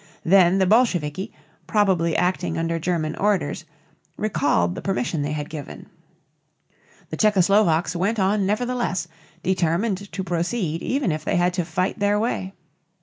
Then the Bolsheviki, probably acting under German orders, recalled the permission they had given. The Czecho Slovaks went on nevertheless, determined to proceed even if they had to fight their way.